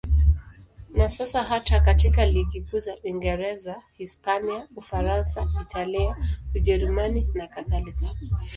Na sasa hata katika ligi kuu za Uingereza, Hispania, Ufaransa, Italia, Ujerumani nakadhalika.